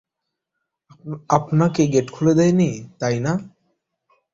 আপনাকে গেট খুলে দেয় নি, তাই না?